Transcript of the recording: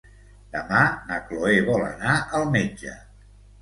Demà na Cloè vol anar al metge.